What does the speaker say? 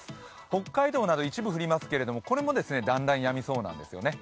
北海道など一部降りますけれども、これもだんだんやみそうです。